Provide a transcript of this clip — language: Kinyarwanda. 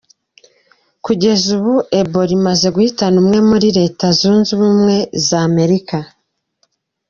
Kugeza ubu Ebola imaze guhitana umwe muri Leta zunze Ubumwe za Amerika.